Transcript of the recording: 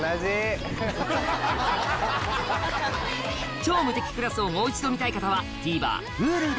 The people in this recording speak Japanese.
『超無敵クラス』をもう一度見たい方はＴＶｅｒＨｕｌｕで